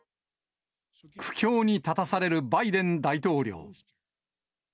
苦境に立たされるバイデン大統領。